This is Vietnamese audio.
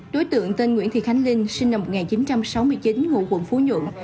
đối tượng tên nguyễn thị khánh linh sinh năm một nghìn chín trăm sáu mươi chín ngụ quận phú nhuận